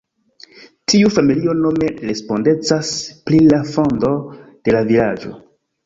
Tiu familio nome respondecas pri la fondo de la vilaĝo.